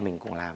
mình cũng làm